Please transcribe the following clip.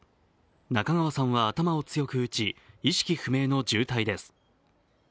中川さんは頭を強く打ち意識不明の重体です。